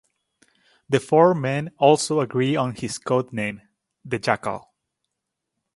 The four men also agree on his code name, The Jackal.